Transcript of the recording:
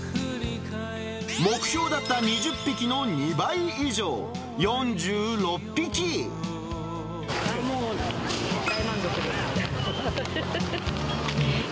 目標だった２０匹の２倍以上、もう、大満足です。